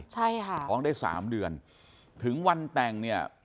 ใช่ค่ะท้องได้สามเดือนถึงวันแต่งเนี่ย